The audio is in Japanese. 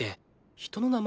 人の名前？